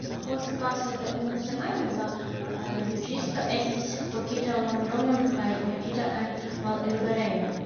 Post paso de unu semajno la juĝisto estis vokita Londonon kaj metita en malliberejon.